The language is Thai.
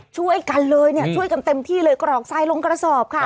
ช่วยกันเลยเนี่ยช่วยกันเต็มที่เลยกรอกทรายลงกระสอบค่ะ